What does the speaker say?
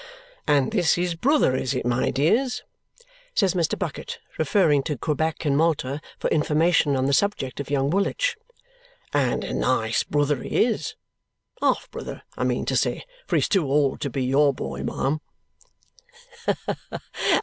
"And this is brother, is it, my dears?" says Mr. Bucket, referring to Quebec and Malta for information on the subject of young Woolwich. "And a nice brother he is half brother I mean to say. For he's too old to be your boy, ma'am."